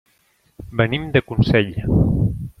Venim de Consell.